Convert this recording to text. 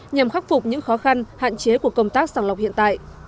nhằm khắc phục những khó khăn hạn chế của công tác sàng lọc hiện tại